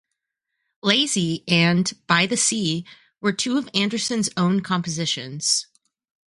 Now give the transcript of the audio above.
"Lazy" and "By the Sea" were two of Anderson's own compositions.